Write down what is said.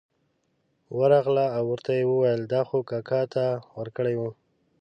ورغله او ورته یې وویل دا خو کاکا ته ورکړې وه.